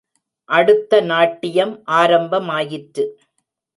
அடுத்த நாட்டியம் ஆரம்பமாயிற்று.